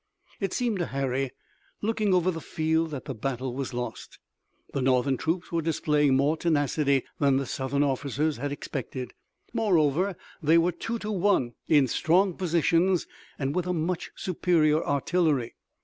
It seemed to Harry, looking over the field, that the battle was lost. The Northern troops were displaying more tenacity than the Southern officers had expected. Moreover, they were two to one, in strong positions, and with a much superior artillery.